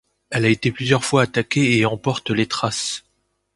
Elle a été plusieurs fois attaquée et en porte les traces.